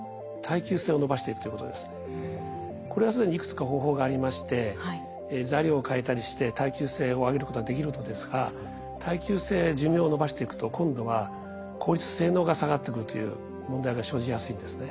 これは既にいくつか方法がありまして材料を変えたりして耐久性を上げることができるのですが耐久性や寿命をのばしていくと今度は効率・性能が下がってくるという問題が生じやすいんですね。